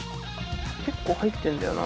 結構入ってんだよな。